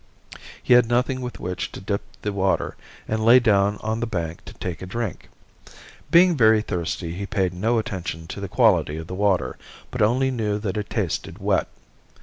He had nothing with which to dip the water and lay down on the bank to take a drink. Being very thirsty he paid no attention to the quality of the water, but only knew that it tasted wet.